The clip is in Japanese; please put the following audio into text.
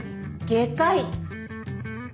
外科医？